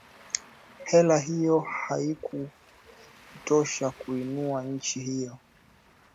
Hela hiyo haikutosha kuiinua nchi hiyo